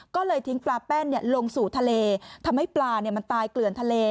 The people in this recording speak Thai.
ก็เลยทิ้งปลาแป้นลงสู่ทะเลทำให้ปลามันตายเกลื่อนทะเล